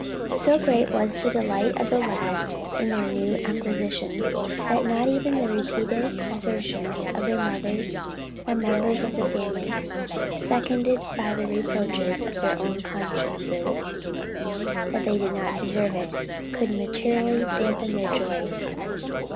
So great was the delight of the lads in their new acquisitions, that not even the repeated assertions of their mothers and other members of the family seconded by the reproaches of their own consciences that they did not deserve it, could materially damp their joy.